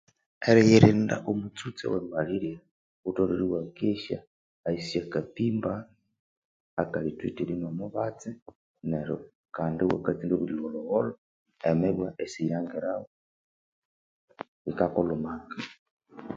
Eriyirinda omutsutsa owe maleriya ghutholere iwakesya ahisi syakattimba akali treated ne omubatsi neri kandi iwakakyima obuli igholhogholho emibwa isiyiri yingiramu yikakulhumanga